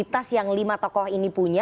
kualitas yang lima tokoh ini punya